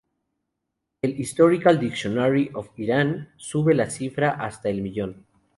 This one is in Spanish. El "Historical Dictionary of Iran" sube la cifra hasta el millón.